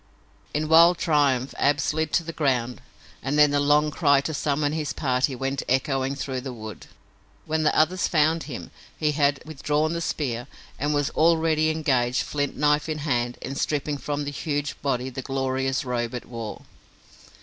In wild triumph Ab slid to the ground and then the long cry to summon his party went echoing through the wood. When the others found him he had withdrawn the spear and was already engaged, flint knife in hand, in stripping from the huge body the glorious robe it wore.